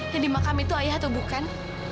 yang di makam itu ayah atau bukan